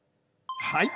はい！